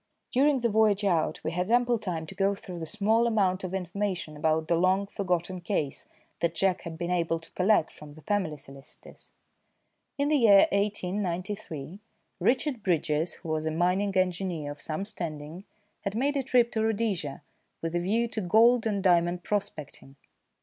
During the voyage out we had ample time to go through the small amount of information about the long forgotten case that Jack had been able to collect from the family solicitors. In the year 1893, Richard Bridges, who was a mining engineer of some standing, had made a trip to Rhodesia with a view to gold and diamond prospecting.